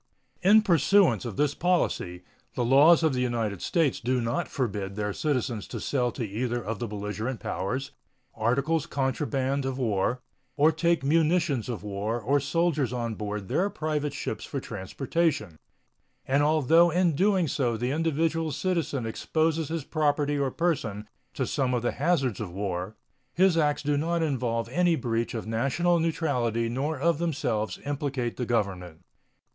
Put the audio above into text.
In pursuance of this policy, the laws of the United States do not forbid their citizens to sell to either of the belligerent powers articles contraband of war or take munitions of war or soldiers on board their private ships for transportation; and although in so doing the individual citizen exposes his property or person to some of the hazards of war, his acts do not involve any breach of national neutrality nor of themselves implicate the Government.